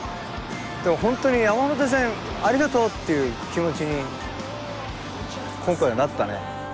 でもホントに「山手線ありがとう」っていう気持ちに今回はなったね。